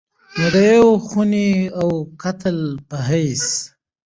نو د يو خوني او قاتل په حېث